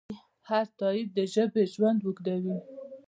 هر تایید د ژبې ژوند اوږدوي.